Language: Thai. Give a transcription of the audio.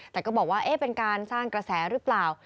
แต่ก็บอกว่าเป็นการสร้างกระแสหรือเปล่า